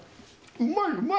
うまいうまい！